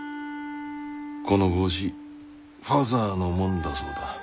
この帽子ファザーのもんだそうだ。